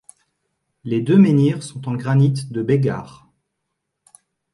Les deux menhirs sont en granite de Bégard.